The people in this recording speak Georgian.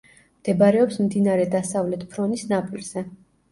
მდებარეობს მდინარე დასავლეთ ფრონის ნაპირზე.